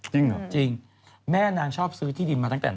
จริงเหรอจริงแม่นางชอบซื้อที่ดินมาตั้งแต่